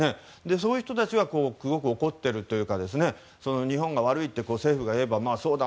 そういう人たちがすごく怒っているというか日本が悪いと政府が言えばそうだ！